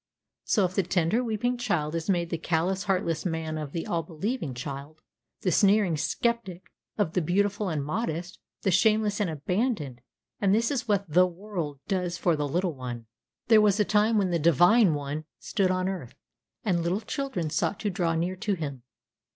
So of the tender, weeping child is made the callous, heartless man; of the all believing child, the sneering sceptic; of the beautiful and modest, the shameless and abandoned; and this is what the world does for the little one. There was a time when the divine One stood on earth, and little children sought to draw near to him.